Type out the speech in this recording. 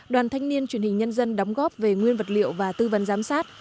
đoàn thanh niên truyền hình nhân dân đóng góp về nguyên vật liệu và tư vấn giám sát